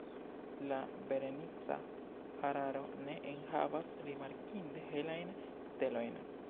La Berenica Hararo ne enhavas rimarkinde helajn stelojn.